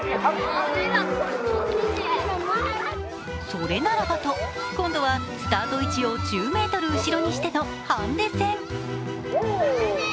それならばと今度はスタート位置を１０ｍ後ろにしてのハンデ戦。